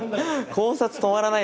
考察止まらないですね。